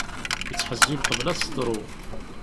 Ittḥezzib qebl ad teḍru.